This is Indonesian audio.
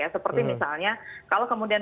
seperti misalnya kalau kemudian